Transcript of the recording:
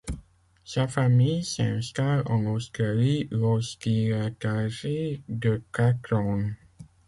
Sa famille s'installe en Australie lorsqu'il est âgé de quatre ans.